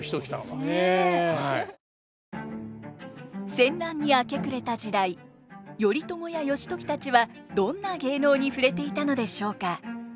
戦乱に明け暮れた時代頼朝や義時たちはどんな芸能に触れていたのでしょうか。